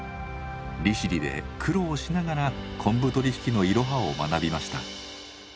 利尻で苦労しながら昆布取り引きのイロハを学びました。